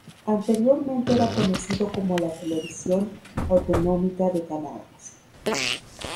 Anteriormente era conocido como la Televisión Autonómica de Canarias.